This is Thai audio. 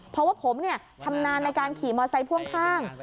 เพราะว่าผมชำนาญในการขี่มอไซค่วงข้าง